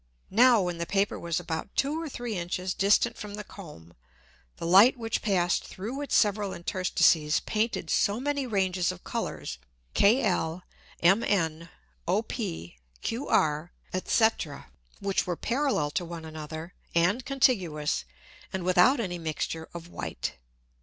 Now, when the Paper was about two or three Inches distant from the Comb, the Light which passed through its several Interstices painted so many Ranges of Colours, kl, mn, op, qr, &c. which were parallel to one another, and contiguous, and without any Mixture of white.